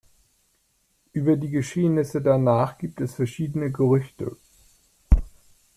Über die Geschehnisse danach gibt es verschiedene Gerüchte.